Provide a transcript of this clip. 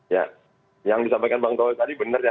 ya yang disampaikan bang tower tadi benar ya